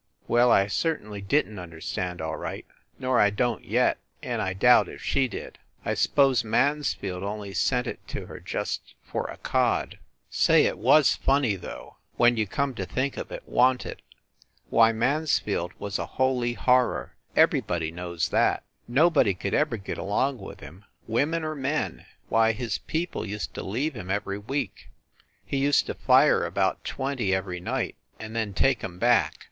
Well, I certainly didn t understand, all right, nor I don t yet; and I doubt if she did. I s pose Mans field only sent it to her just for a cod. Say, it was funny, though, when you come to think of it, wan t it? Why, Mansfield was a holy horror everybody knows that. Nobody could ever THE CAXTON DINING ROOM 177 get along with him, women or men. Why, his peo ple used to leave him every week. He used to fire about twenty every night and then take em back.